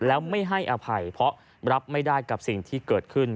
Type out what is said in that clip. แล้วไม่ให้อภัยเพราะรับไม่ได้กับสิ่งที่เกิดขึ้น